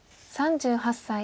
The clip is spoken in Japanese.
３８歳。